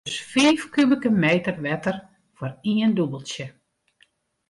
Ik ha dus fiif kubike meter wetter foar ien dûbeltsje.